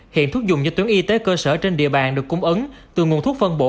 hiện thuốc dùng cho tuyến y tế cơ sở trên địa bàn được cung ứng từ nguồn thuốc phân bổ